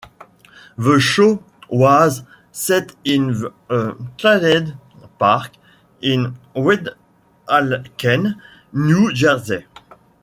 The show was set in a trailer park in Weehawken, New Jersey.